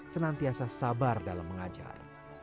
senantiasa sabar dalam mengajar